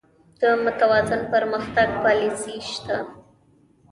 د متوازن پرمختګ پالیسي شته؟